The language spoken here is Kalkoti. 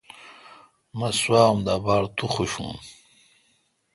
مہ سوام دا باڑ تو خوشون۔